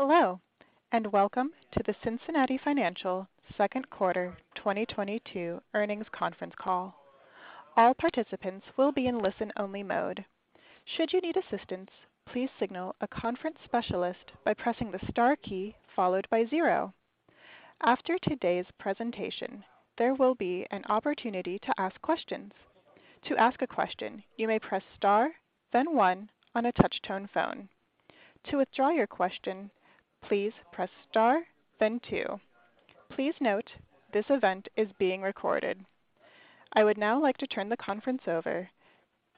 Hello, and welcome to the Cincinnati Financial second quarter 2022 earnings conference call. All participants will be in listen-only mode. Should you need assistance, please signal a conference specialist by pressing the star key followed by zero. After today's presentation, there will be an opportunity to ask questions. To ask a question, you may press star, then one on a touch-tone phone. To withdraw your question, please press star then two. Please note, this event is being recorded. I would now like to turn the conference over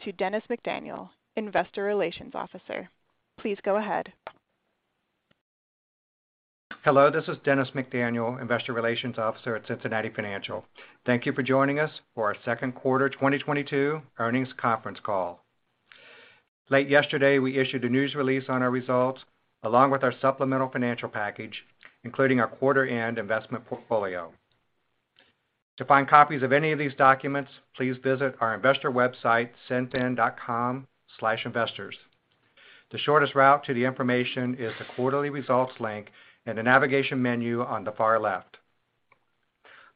to Dennis McDaniel, Investor Relations Officer. Please go ahead. Hello, this is Dennis McDaniel, Investor Relations Officer at Cincinnati Financial. Thank you for joining us for our second quarter 2022 earnings conference call. Late yesterday, we issued a news release on our results, along with our supplemental financial package, including our quarter-end investment portfolio. To find copies of any of these documents, please visit our investor website, cinfin.com/investors. The shortest route to the information is the Quarterly Results link in the navigation menu on the far left.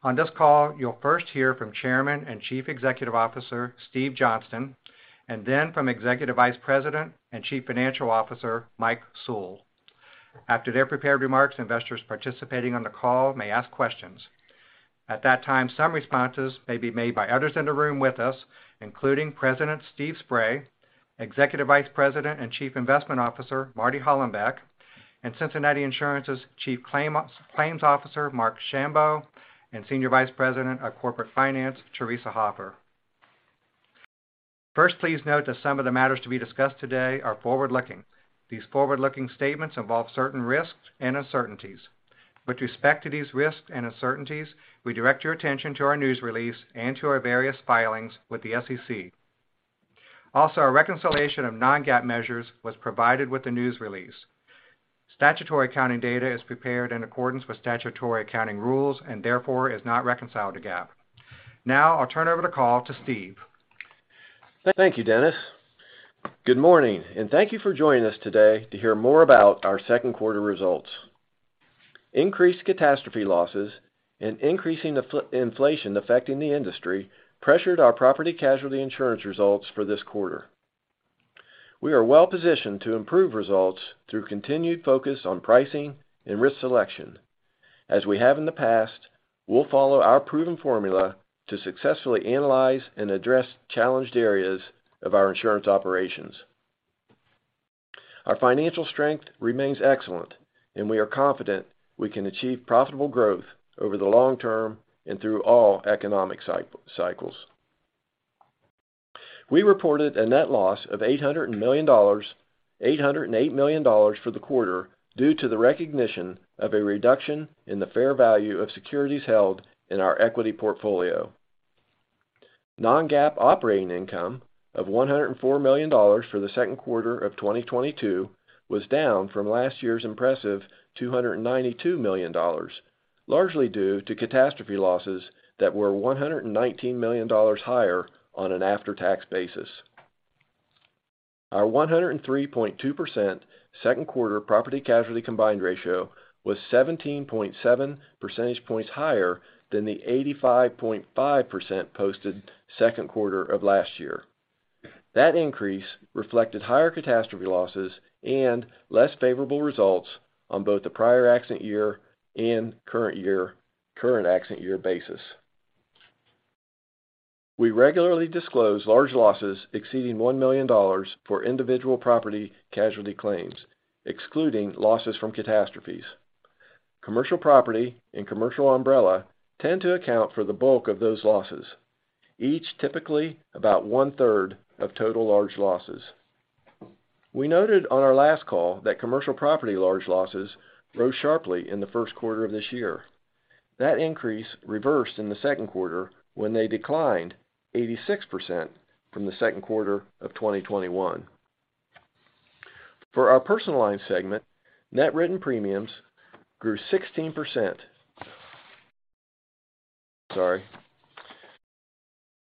On this call, you'll first hear from Chairman and Chief Executive Officer Steven Johnston, and then from Executive Vice President and Chief Financial Officer Mike Sewell. After their prepared remarks, investors participating on the call may ask questions. At that time, some responses may be made by others in the room with us, including President Stephen Spray, Executive Vice President and Chief Investment Officer Martin Hollenbeck, and Cincinnati Insurance's Chief Claims Officer Marc Schambow, and Senior Vice President of Corporate Finance Theresa Hoffer. First, please note that some of the matters to be discussed today are forward-looking. These forward-looking statements involve certain risks and uncertainties. With respect to these risks and uncertainties, we direct your attention to our news release and to our various filings with the SEC. Also, a reconciliation of non-GAAP measures was provided with the news release. Statutory accounting data is prepared in accordance with statutory accounting rules and therefore is not reconciled to GAAP. Now, I'll turn over the call to Steve. Thank you, Dennis. Good morning, and thank you for joining us today to hear more about our second quarter results. Increased catastrophe losses and increasing inflation affecting the industry pressured our property casualty insurance results for this quarter. We are well-positioned to improve results through continued focus on pricing and risk selection. As we have in the past, we'll follow our proven formula to successfully analyze and address challenged areas of our insurance operations. Our financial strength remains excellent, and we are confident we can achieve profitable growth over the long term and through all economic cycles. We reported a net loss of $808 million for the quarter due to the recognition of a reduction in the fair value of securities held in our equity portfolio. Non-GAAP operating income of $104 million for the second quarter of 2022 was down from last year's impressive $292 million, largely due to catastrophe losses that were $119 million higher on an after-tax basis. Our 103.2% second quarter property casualty combined ratio was 17.7 percentage points higher than the 85.5% posted second quarter of last year. That increase reflected higher catastrophe losses and less favorable results on both the prior accident year and current year, current accident year basis. We regularly disclose large losses exceeding $1 million for individual property casualty claims, excluding losses from catastrophes. Commercial property and commercial umbrella tend to account for the bulk of those losses, each typically about 1/3 of total large losses. We noted on our last call that commercial property large losses rose sharply in the first quarter of this year. That increase reversed in the second quarter when they declined 86% from the second quarter of 2021. For our personal line segment, net written premiums grew 16%. Sorry.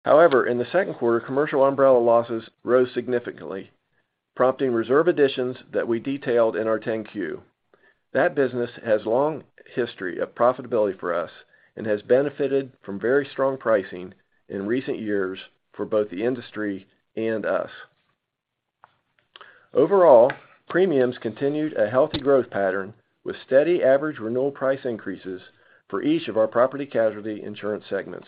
However, in the second quarter, commercial umbrella losses rose significantly, prompting reserve additions that we detailed in our Form 10-Q. That business has long history of profitability for us and has benefited from very strong pricing in recent years for both the industry and us. Overall, premiums continued a healthy growth pattern with steady average renewal price increases for each of our property-casualty insurance segments.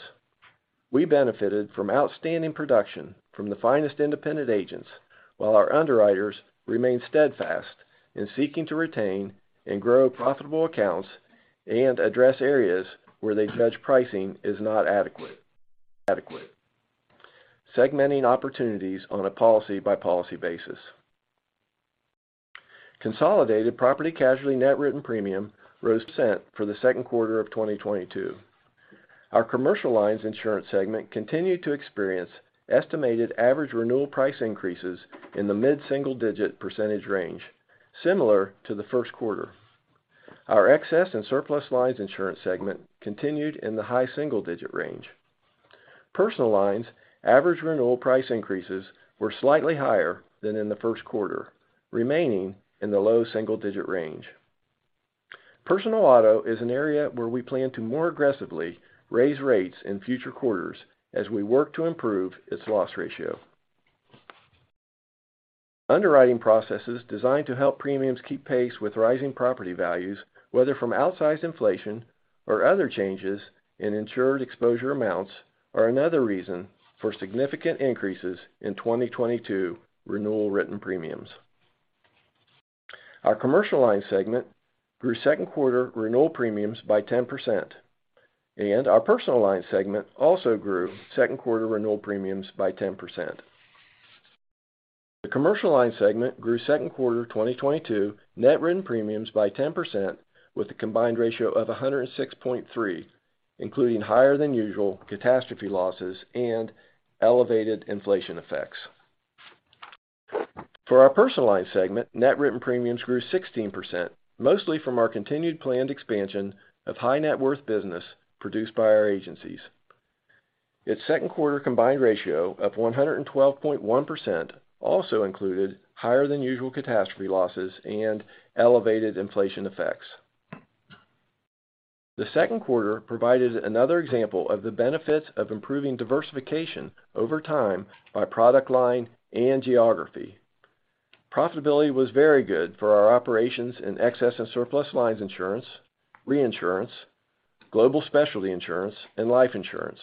We benefited from outstanding production from the finest independent agents, while our underwriters remained steadfast in seeking to retain and grow profitable accounts and address areas where they judge pricing is not adequate, segmenting opportunities on a policy-by-policy basis. Consolidated property casualty net written premium rose percent for the second quarter of 2022. Our commercial lines insurance segment continued to experience estimated average renewal price increases in the mid-single-digit percentage range, similar to the first quarter. Our excess and surplus lines insurance segment continued in the high single-digit range. Personal lines, average renewal price increases were slightly higher than in the first quarter, remaining in the low single-digit range. Personal auto is an area where we plan to more aggressively raise rates in future quarters as we work to improve its loss ratio. Underwriting processes designed to help premiums keep pace with rising property values, whether from outsized inflation or other changes in insured exposure amounts, are another reason for significant increases in 2022 renewal written premiums. Our commercial lines segment grew second quarter renewal premiums by 10%, and our personal lines segment also grew second quarter renewal premiums by 10%. The commercial lines segment grew second quarter 2022 net written premiums by 10% with a combined ratio of 106.3, including higher than usual catastrophe losses and elevated inflation effects. For our personal lines segment, net written premiums grew 16%, mostly from our continued planned expansion of high net worth business produced by our agencies. Its second quarter combined ratio of 112.1% also included higher than usual catastrophe losses and elevated inflation effects. The second quarter provided another example of the benefits of improving diversification over time by product line and geography. Profitability was very good for our operations in excess and surplus lines insurance, reinsurance, global specialty insurance, and life insurance.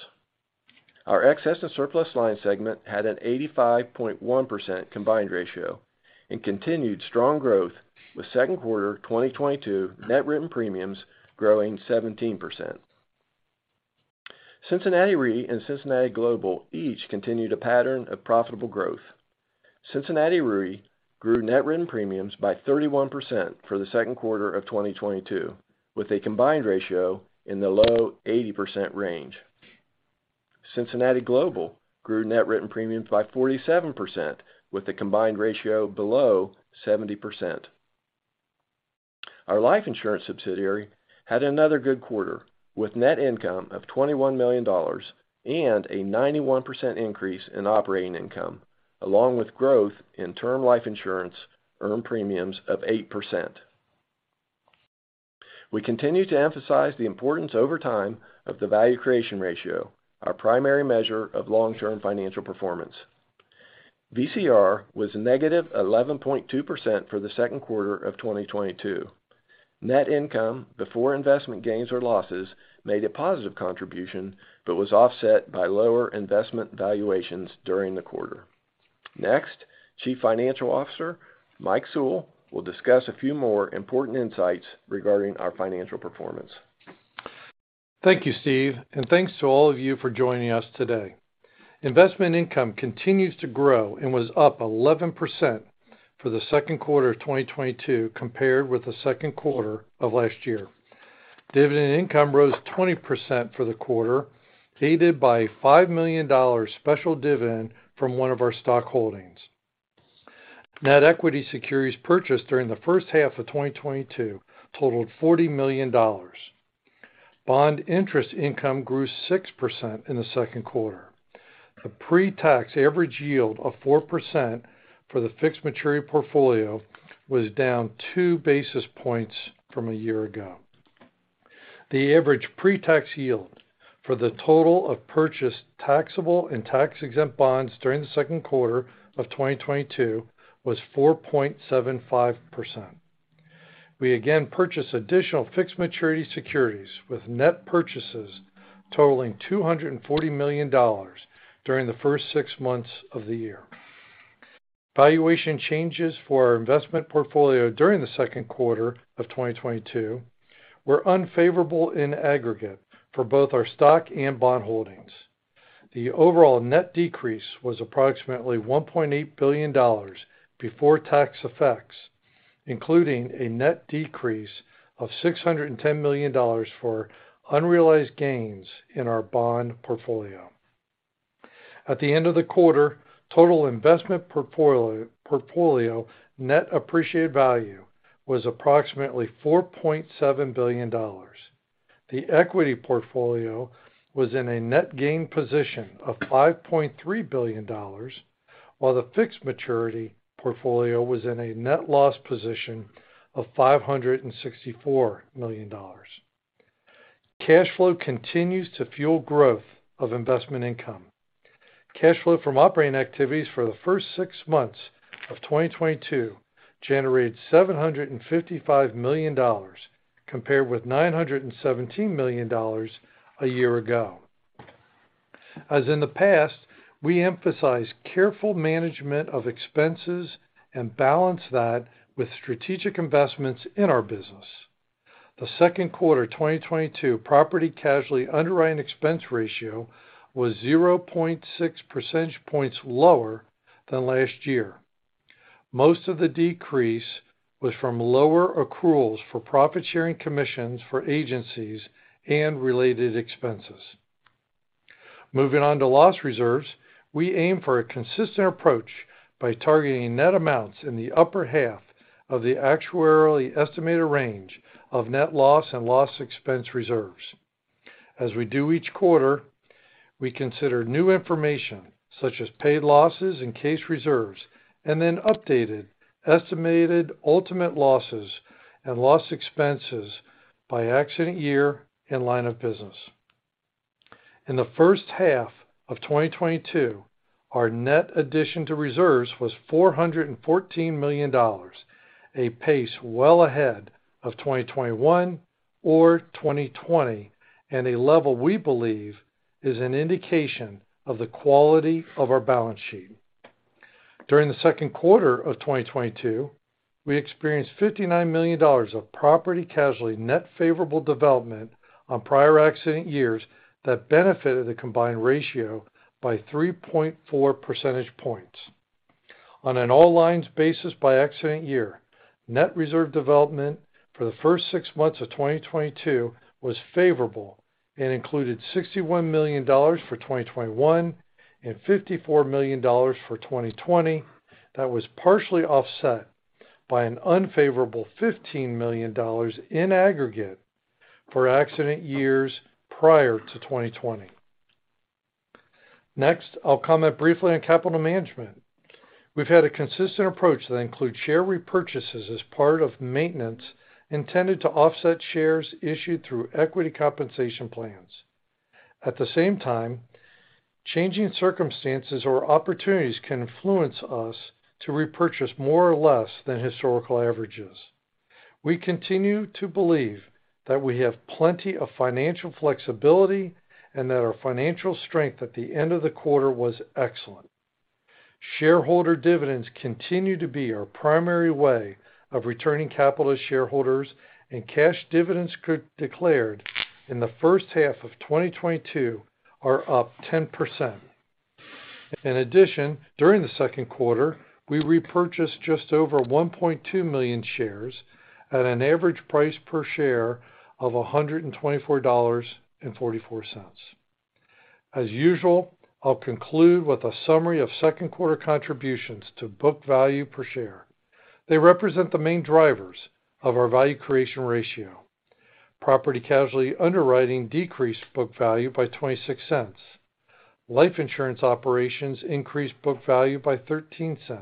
Our excess and surplus line segment had an 85.1% combined ratio and continued strong growth with second quarter 2022 net written premiums growing 17%. Cincinnati Re and Cincinnati Global each continued a pattern of profitable growth. Cincinnati Re grew net written premiums by 31% for the second quarter of 2022, with a combined ratio in the low 80% range. Cincinnati Global grew net written premiums by 47%, with a combined ratio below 70%. Our life insurance subsidiary had another good quarter, with net income of $21 million and a 91% increase in operating income, along with growth in term life insurance earned premiums of 8%. We continue to emphasize the importance over time of the value creation ratio, our primary measure of long-term financial performance. VCR was a negative 11.2% for the second quarter of 2022. Net income before investment gains or losses made a positive contribution, but was offset by lower investment valuations during the quarter. Next, Chief Financial Officer Mike Sewell will discuss a few more important insights regarding our financial performance. Thank you, Steve, and thanks to all of you for joining us today. Investment income continues to grow and was up 11% for the second quarter of 2022 compared with the second quarter of last year. Dividend income rose 20% for the quarter, aided by a $5 million special dividend from one of our stock holdings. Net equity securities purchased during the first half of 2022 totaled $40 million. Bond interest income grew 6% in the second quarter. The pre-tax average yield of 4% for the fixed maturity portfolio was down 2 basis points from a year ago. The average pre-tax yield for the total of purchased taxable and tax-exempt bonds during the second quarter of 2022 was 4.75%. We again purchased additional fixed maturity securities with net purchases totaling $240 million during the first six months of the year. Valuation changes for our investment portfolio during the second quarter of 2022 were unfavorable in aggregate for both our stock and bond holdings. The overall net decrease was approximately $1.8 billion before tax effects, including a net decrease of $610 million for unrealized gains in our bond portfolio. At the end of the quarter, total investment portfolio net appreciated value was approximately $4.7 billion. The equity portfolio was in a net gain position of $5.3 billion, while the fixed maturity portfolio was in a net loss position of $564 million. Cash flow continues to fuel growth of investment income. Cash flow from operating activities for the first six months of 2022 generated $755 million, compared with $917 million a year ago. As in the past, we emphasize careful management of expenses and balance that with strategic investments in our business. The second quarter 2022 property-casualty underwriting expense ratio was 0.6 percentage points lower than last year. Most of the decrease was from lower accruals for profit-sharing commissions for agencies and related expenses. Moving on to loss reserves, we aim for a consistent approach by targeting net amounts in the upper half of the actuarially estimated range of net loss and loss expense reserves. As we do each quarter, we consider new information such as paid losses and case reserves, and then updated estimated ultimate losses and loss expenses by accident year and line of business. In the first half of 2022, our net addition to reserves was $414 million, a pace well ahead of 2021 or 2020, and a level we believe is an indication of the quality of our balance sheet. During the second quarter of 2022, we experienced $59 million of property casualty net favorable development on prior accident years that benefited a combined ratio by 3.4 percentage points. On an all lines basis by accident year, net reserve development for the first six months of 2022 was favorable and included $61 million for 2021 and $54 million for 2020. That was partially offset by an unfavorable $15 million in aggregate for accident years prior to 2020. Next, I'll comment briefly on capital management. We've had a consistent approach that includes share repurchases as part of maintenance intended to offset shares issued through equity compensation plans. At the same time, changing circumstances or opportunities can influence us to repurchase more or less than historical averages. We continue to believe that we have plenty of financial flexibility and that our financial strength at the end of the quarter was excellent. Shareholder dividends continue to be our primary way of returning capital to shareholders, and cash dividends declared in the first half of 2022 are up 10%. In addition, during the second quarter, we repurchased just over 1.2 million shares at an average price per share of $124.44. As usual, I'll conclude with a summary of second quarter contributions to book value per share. They represent the main drivers of our value creation ratio. Property casualty underwriting decreased book value by $0.26. Life insurance operations increased book value by $0.13.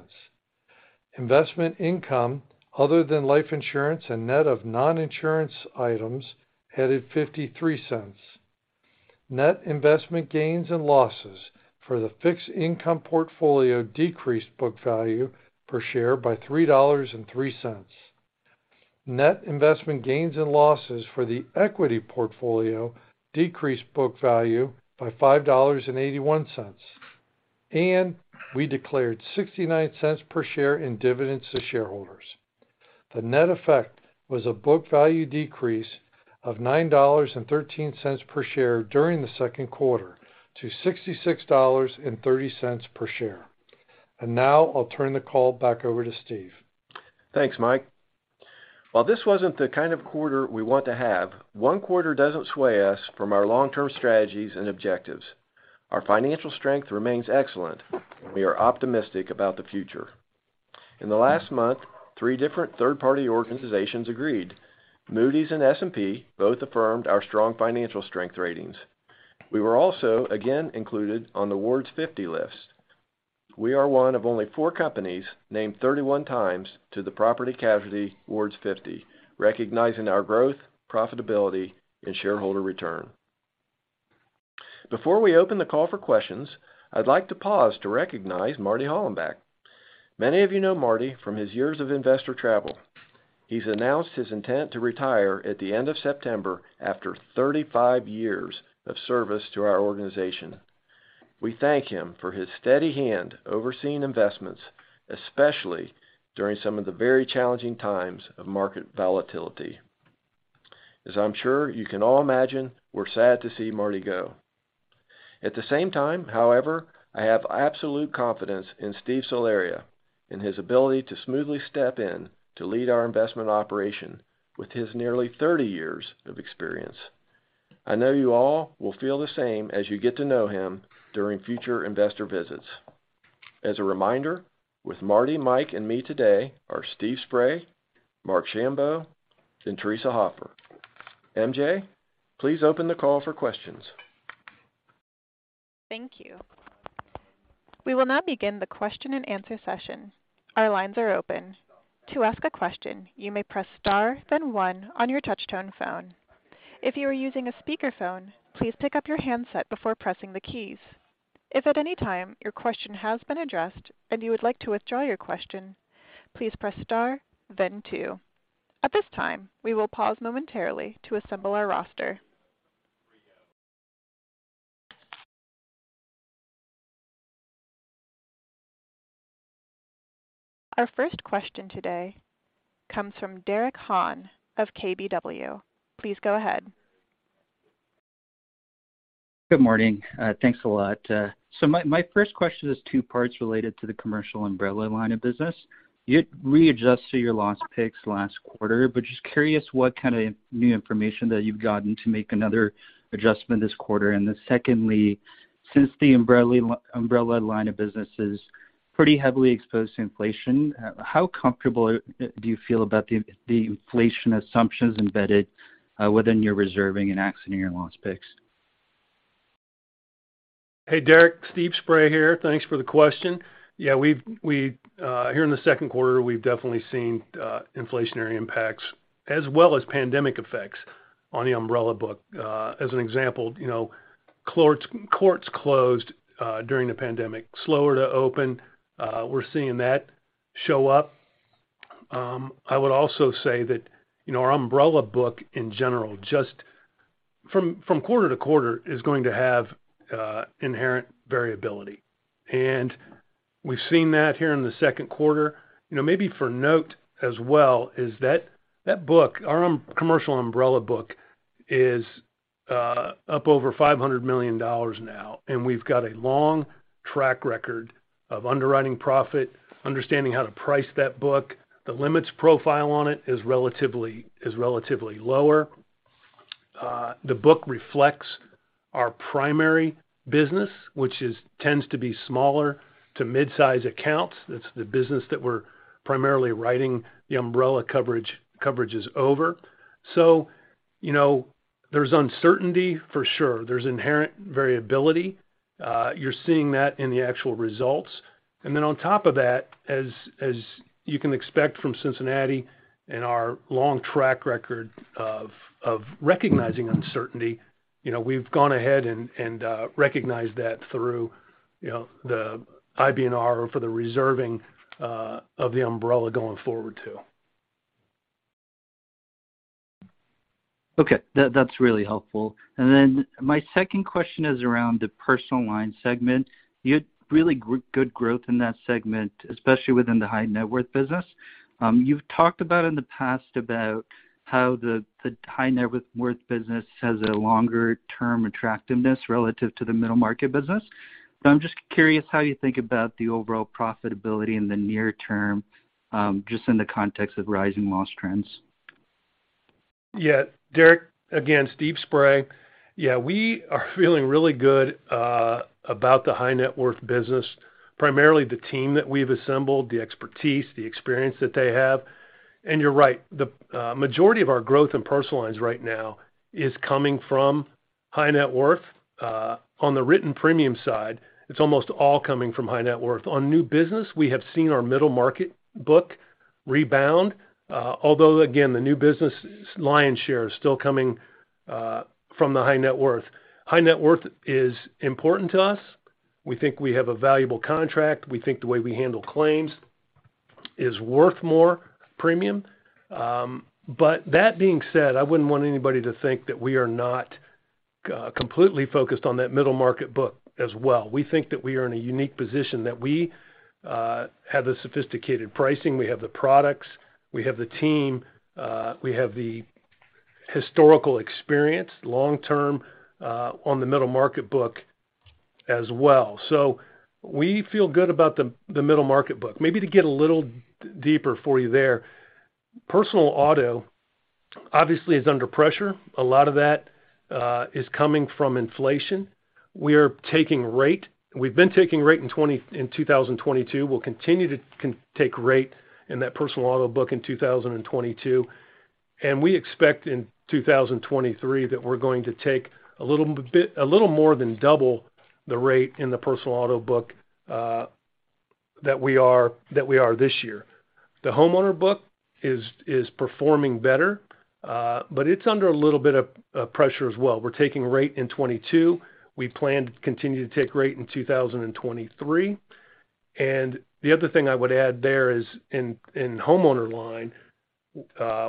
Investment income other than life insurance and net of non-insurance items added $0.53. Net investment gains and losses for the fixed income portfolio decreased book value per share by $3.03. Net investment gains and losses for the equity portfolio decreased book value by $5.81, and we declared $0.69 per share in dividends to shareholders. The net effect was a book value decrease of $9.13 per share during the second quarter to $66.30 per share. Now I'll turn the call back over to Steve. Thanks, Mike. While this wasn't the kind of quarter we want to have, one quarter doesn't sway us from our long-term strategies and objectives. Our financial strength remains excellent. We are optimistic about the future. In the last month, three different third-party organizations agreed. Moody's and S&P both affirmed our strong financial strength ratings. We were also again included on the Ward's 50 list. We are one of only four companies named 31 times to the Property Casualty Ward's 50, recognizing our growth, profitability, and shareholder return. Before we open the call for questions, I'd like to pause to recognize Martin Hollenbeck. Many of you know Martin from his years of investor travel. He's announced his intent to retire at the end of September after 35 years of service to our organization. We thank him for his steady hand overseeing investments, especially during some of the very challenging times of market volatility. As I'm sure you can all imagine, we're sad to see Martin go. At the same time, however, I have absolute confidence in Steve Soloria in his ability to smoothly step in to lead our investment operation with his nearly 30 years of experience. I know you all will feel the same as you get to know him during future investor visits. As a reminder, with Martin, Mike, and me today are Stephen Spray, Marc Schambow, and Theresa Hoffer. MJ, please open the call for questions. Thank you. We will now begin the question-and-answer session. Our lines are open. To ask a question, you may press star, then one on your touchtone phone. If you are using a speakerphone, please pick up your handset before pressing the keys. If at any time your question has been addressed and you would like to withdraw your question, please press star, then two. At this time, we will pause momentarily to assemble our roster. Our first question today comes from Meyer Shields of Keefe, Bruyette & Woods. Please go ahead. Good morning. Thanks a lot. My first question is two parts related to the commercial umbrella line of business. You readjust to your loss picks last quarter, but just curious what kind of new information that you've gotten to make another adjustment this quarter. Secondly, since the umbrella line of business is pretty heavily exposed to inflation, how comfortable do you feel about the inflation assumptions embedded within your reserving and accident year loss picks? Hey, Derek, Stephen Spray here. Thanks for the question. Yeah, here in the second quarter, we've definitely seen inflationary impacts as well as pandemic effects on the umbrella book. As an example, you know, courts closed during the pandemic, slower to open. We're seeing that show up. I would also say that, you know, our umbrella book in general, just from quarter to quarter is going to have inherent variability. We've seen that here in the second quarter. You know, maybe of note as well is that book, our commercial umbrella book is up over $500 million now, and we've got a long track record of underwriting profit, understanding how to price that book. The limits profile on it is relatively lower. The book reflects our primary business, which tends to be smaller to mid-size accounts. That's the business that we're primarily writing the umbrella coverage over. You know, there's uncertainty for sure. There's inherent variability. You're seeing that in the actual results. Then on top of that, as you can expect from Cincinnati and our long track record of recognizing uncertainty, you know, we've gone ahead and recognized that through, you know, the IBNR for the reserving of the umbrella going forward too. Okay. That's really helpful. My second question is around the personal line segment. You had really good growth in that segment, especially within the high net worth business. You've talked about in the past about how the high net worth business has a longer term attractiveness relative to the middle market business. I'm just curious how you think about the overall profitability in the near term, just in the context of rising loss trends. Yeah. Derek, again, Stephen Spray. Yeah, we are feeling really good about the high net worth business, primarily the team that we've assembled, the expertise, the experience that they have. You're right. The majority of our growth in personal lines right now is coming from high net worth. On the written premium side, it's almost all coming from high net worth. On new business, we have seen our middle market book rebound. Although again, the new business lion's share is still coming from the high net worth. High net worth is important to us. We think we have a valuable contract. We think the way we handle claims is worth more premium. That being said, I wouldn't want anybody to think that we are not completely focused on that middle market book as well. We think that we are in a unique position that we have the sophisticated pricing, we have the products, we have the team, we have the historical experience long-term on the middle market book as well. We feel good about the middle market book. Maybe to get a little deeper for you there. Personal auto obviously is under pressure. A lot of that is coming from inflation. We are taking rate. We've been taking rate in 2022. We'll continue to take rate in that personal auto book in 2022. We expect in 2023 that we're going to take a little bit, a little more than double the rate in the personal auto book that we are this year. The homeowner book is performing better, but it's under a little bit of pressure as well. We're taking rate in 2022. We plan to continue to take rate in 2023. The other thing I would add there is in homeowner line,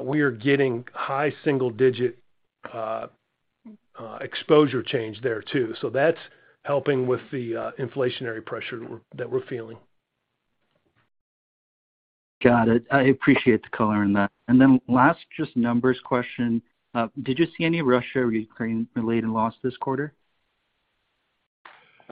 we are getting high single-digit exposure change there too. That's helping with the inflationary pressure we're feeling. Got it. I appreciate the color in that. Last just numbers question. Did you see any Russia or Ukraine related loss this quarter?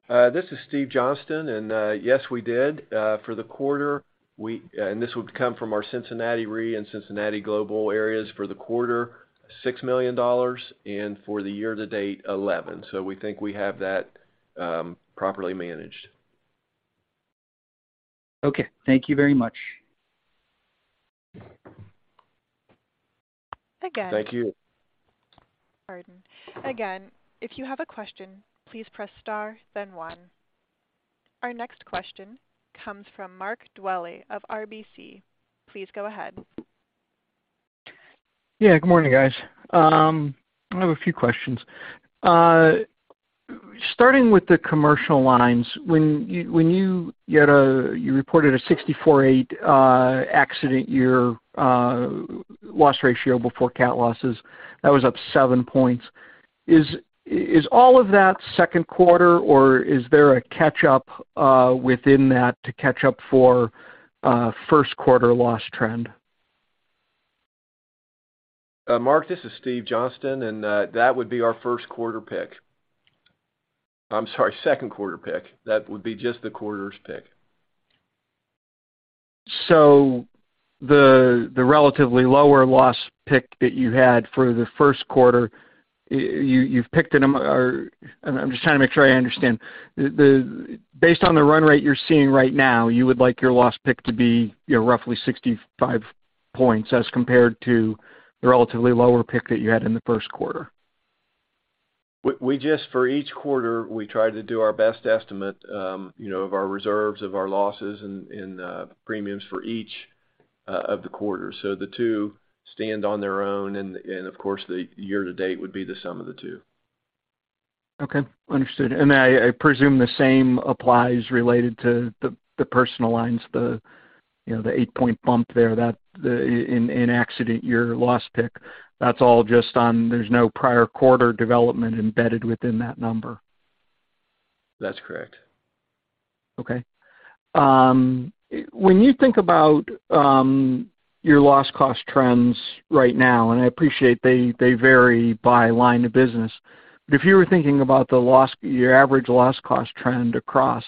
This is Steven Johnston. Yes, we did. For the quarter, and this would come from our Cincinnati Re and Cincinnati Global areas for the quarter, $6 million, and for the year to date, $11 million. We think we have that properly managed. Okay. Thank you very much. Thank you. Again, if you have a question, please press star then one. Our next question comes from Mark Dwelle of RBC Capital Markets. Please go ahead. Yeah, good morning, guys. I have a few questions. Starting with the commercial lines. When you reported a 64.8 accident year loss ratio before cat losses, that was up seven points. Is all of that second quarter or is there a catch up within that to catch up for a first quarter loss trend? Mark, this is Steven Johnston, and that would be our first quarter VCR. I'm sorry, second quarter VCR. That would be just the quarter's VCR. The relatively lower loss pick that you had for the first quarter, you've picked it. I'm just trying to make sure I understand. Based on the run rate you're seeing right now, you would like your loss pick to be, you know, roughly 65 points as compared to the relatively lower pick that you had in the first quarter? We just, for each quarter, we try to do our best estimate, you know, of our reserves, of our losses and premiums for each of the quarters. The two stand on their own and, of course, the year to date would be the sum of the two. Okay. Understood. I presume the same applies related to the personal lines, you know, the 8-point bump there that in the accident year loss pick, that's all just in there. There's no prior quarter development embedded within that number. That's correct. Okay. When you think about your loss cost trends right now, and I appreciate they vary by line of business, but if you were thinking about your average loss cost trend across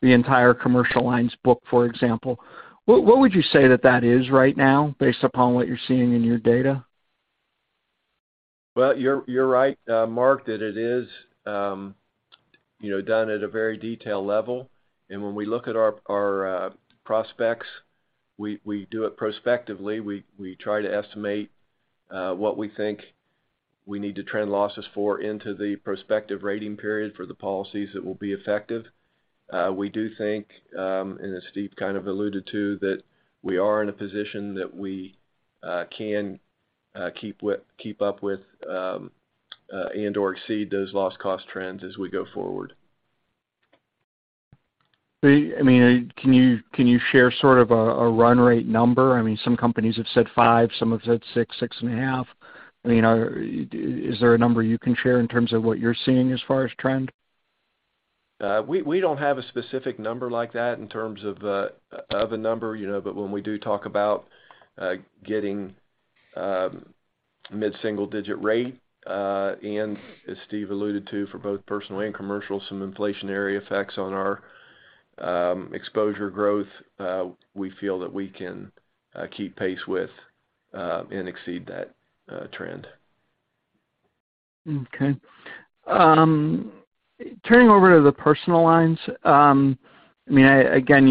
the entire commercial lines book, for example, what would you say that is right now based upon what you're seeing in your data? Well, you're right, Mark, that it is, you know, done at a very detailed level. When we look at our prospects, we do it prospectively. We try to estimate what we think we need to trend losses for into the prospective rating period for the policies that will be effective. We do think, and as Steve kind of alluded to, that we are in a position that we can keep up with and/or exceed those loss cost trends as we go forward. I mean, can you share sort of a run rate number? I mean, some companies have said 5%, some have said 6%, 6.5%. I mean, is there a number you can share in terms of what you're seeing as far as trend? We don't have a specific number like that in terms of a number, you know, but when we do talk about getting mid-single digit rate and as Steve alluded to for both personal and commercial, some inflationary effects on our exposure growth, we feel that we can keep pace with and exceed that trend. Okay. Turning over to the personal lines. I mean, again,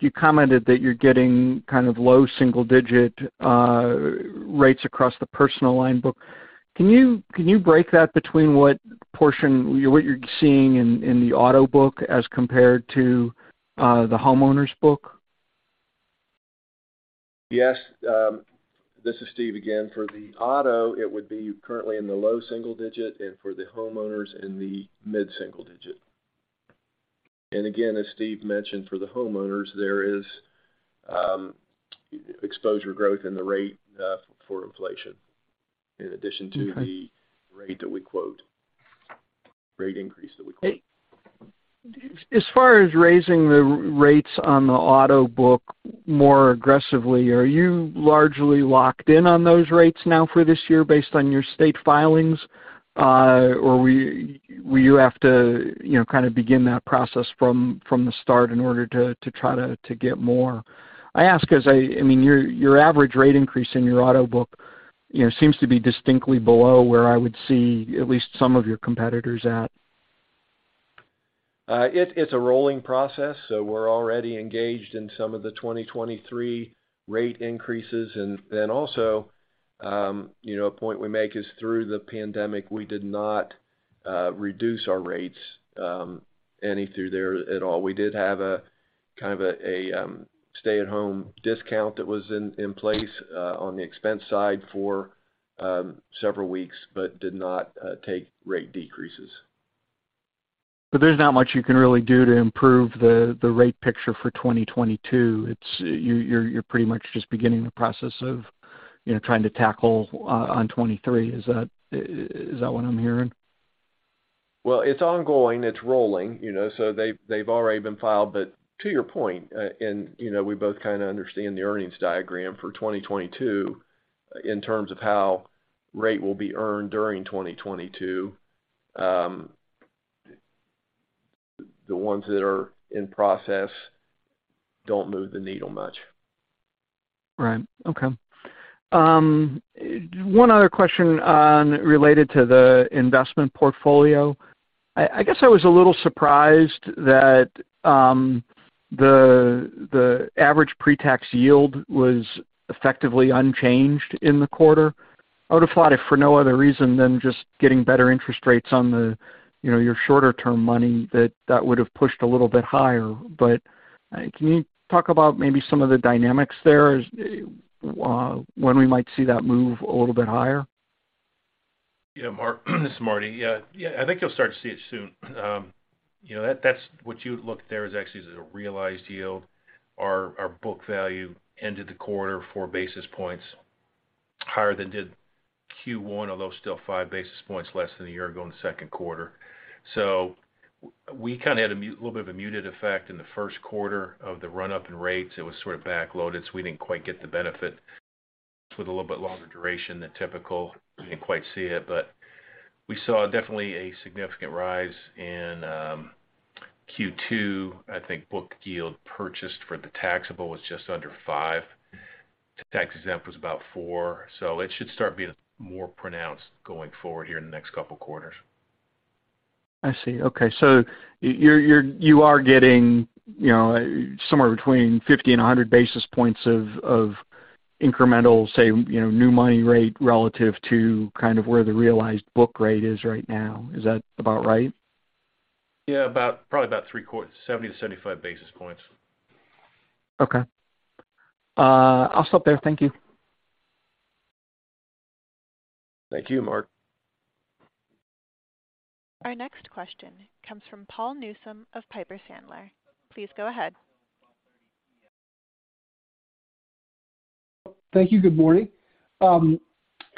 you commented that you're getting kind of low single-digit rates across the personal line book. Can you break that between what portion, what you're seeing in the auto book as compared to the homeowners book? Yes. This is Steve again. For the auto, it would be currently in the low single-digit%, and for the homeowners in the mid-single-digit%. As Steve mentioned, for the homeowners, there is exposure growth in the rate for inflation in addition to the rate increase that we quote. As far as raising the rates on the auto book more aggressively, are you largely locked in on those rates now for this year based on your state filings? Or will you have to, you know, kind of begin that process from the start in order to try to get more? I mean, your average rate increase in your auto book, you know, seems to be distinctly below where I would see at least some of your competitors at. It's a rolling process, so we're already engaged in some of the 2023 rate increases. Also, you know, a point we make is through the pandemic, we did not reduce our rates any through there at all. We did have kind of a stay at home discount that was in place on the expense side for several weeks, but did not take rate decreases. There's not much you can really do to improve the rate picture for 2022. You're pretty much just beginning the process of, you know, trying to tackle on 2023. Is that what I'm hearing? Well, it's ongoing. It's rolling, you know, so they've already been filed. To your point, you know, we both kind of understand the earnings guidance for 2022 in terms of how rate will be earned during 2022. The ones that are in process don't move the needle much. Right. Okay. One other question related to the investment portfolio. I guess I was a little surprised that the average pre-tax yield was effectively unchanged in the quarter. I would have thought if for no other reason than just getting better interest rates on the, you know, your shorter term money that that would have pushed a little bit higher. Can you talk about maybe some of the dynamics there as when we might see that move a little bit higher? Yeah, Mark. This is Martin. Yeah, I think you'll start to see it soon. You know, that's what you look at. There is actually a realized yield. Our book value ended the quarter 4 basis points higher than did Q1, although still 5 basis points less than a year ago in the second quarter. We kinda had a little bit of a muted effect in the first quarter of the run-up in rates. It was sort of backloaded, so we didn't quite get the benefit. With a little bit longer duration than typical, we didn't quite see it, but we saw definitely a significant rise in Q2. I think book yield purchased for the taxable was just under 5%. Tax-exempt was about 4%. It should start being more pronounced going forward here in the next couple quarters. I see. Okay, so you're getting, you know, somewhere between 50 basis points and 100 basis points of incremental, say, you know, new money rate relative to kind of where the realized book rate is right now. Is that about right? Yeah, about, probably about three-quarters, 70 basis points to 75 basis points. Okay. I'll stop there. Thank you. Thank you, Mark. Our next question comes from Paul Newsome of Piper Sandler. Please go ahead. Thank you. Good morning. I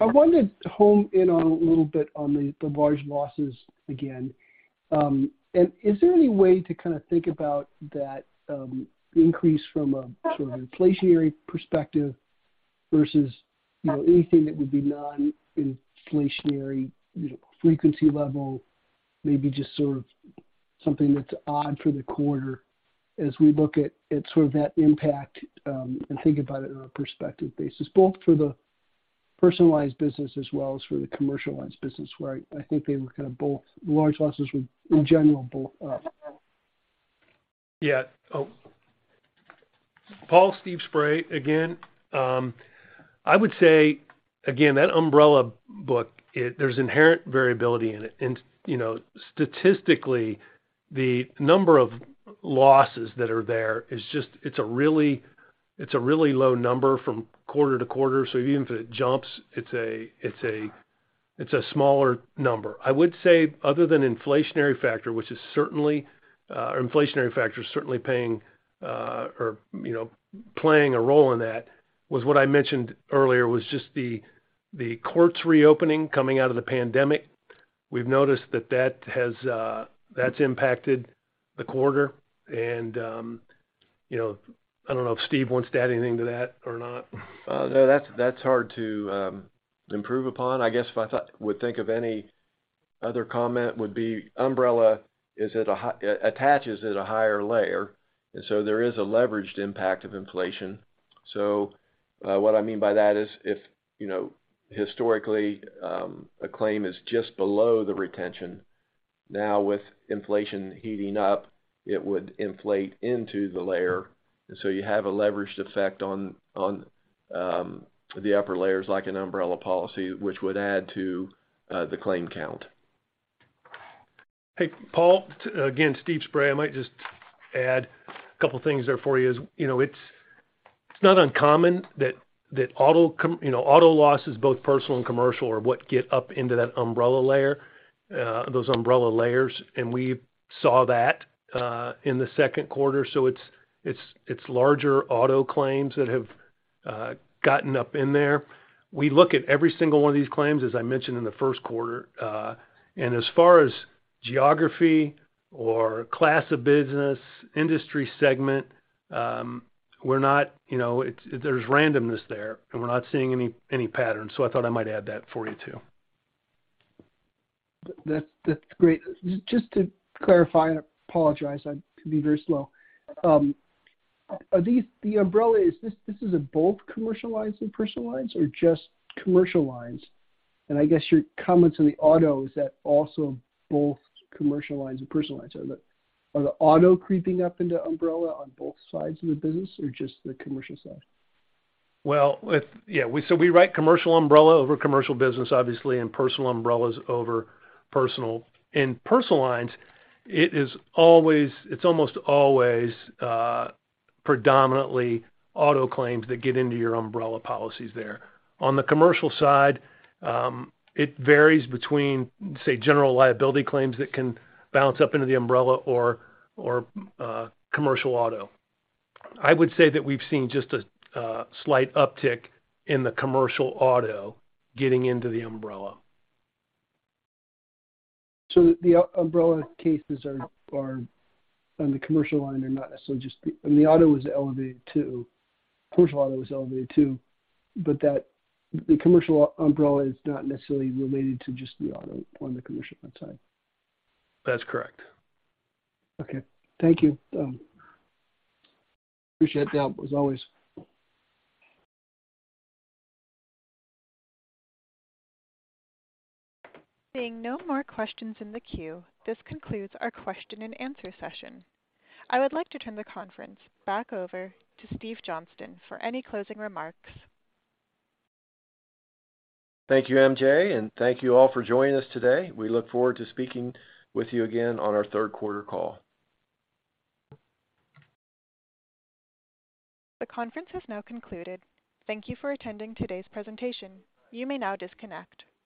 wanted to hone in on a little bit on the large losses again. Is there any way to kinda think about that increase from a sort of inflationary perspective versus anything that would be non-inflationary, you know, frequency level, maybe just sort of something that's odd for the quarter as we look at sort of that impact, and think about it on a perspective basis, both for the personalized business as well as for the commercial lines business where I think they were kind of both up. Yeah. Oh, Paul, Stephen Spray again. I would say again, that umbrella book, there's inherent variability in it. You know, statistically, the number of losses that are there is just, it's a really low number from quarter to quarter. So even if it jumps, it's a smaller number. I would say other than inflationary factor, which is certainly playing a role in that. What I mentioned earlier was just the courts reopening coming out of the pandemic. We've noticed that has impacted the quarter. You know, I don't know if Steve wants to add anything to that or not. No. That's hard to improve upon. I guess if I would think of any other comment would be umbrella attaches at a higher layer. There is a leveraged impact of inflation. What I mean by that is, if, you know, historically, a claim is just below the retention. Now, with inflation heating up, it would inflate into the layer. You have a leveraged effect on the upper layers, like an umbrella policy, which would add to the claim count. Hey, Paul, thanks again, Stephen Spray. I might just add a couple things there for you know, it's not uncommon that auto losses, both personal and commercial are what get up into that umbrella layer, those umbrella layers, and we saw that in the second quarter. It's larger auto claims that have gotten up in there. We look at every single one of these claims, as I mentioned in the first quarter. As far as geography or class of business, industry segment, you know, there's randomness there, and we're not seeing any patterns, so I thought I might add that for you too. That's great. Just to clarify and apologize, I can be very slow. Are these the umbrella, is this this is in both commercial lines and personal lines or just commercial lines? I guess your comment on the auto, is that also both commercial lines and personal lines? Are the auto creeping up into umbrella on both sides of the business or just the commercial side? We write commercial umbrella over commercial business obviously, and personal umbrellas over personal. In personal lines, it is almost always predominantly auto claims that get into your umbrella policies there. On the commercial side, it varies between, say, general liability claims that can bounce up into the umbrella or commercial auto. I would say that we've seen just a slight uptick in the commercial auto getting into the umbrella. The umbrella cases are on the commercial line. They're not necessarily just the auto. The auto was elevated, too. Personal auto was elevated, too. The commercial umbrella is not necessarily related to just the auto on the commercial side. That's correct. Okay. Thank you. Appreciate the help as always. Seeing no more questions in the queue. This concludes our question-and-answer session. I would like to turn the conference back over to Steven Johnston for any closing remarks. Thank you, MJ, and thank you all for joining us today. We look forward to speaking with you again on our third quarter call. The conference has now concluded. Thank you for attending today's presentation. You may now disconnect.